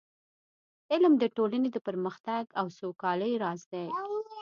علم د ټولنې د پرمختګ او سوکالۍ راز دی.